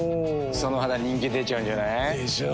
その肌人気出ちゃうんじゃない？でしょう。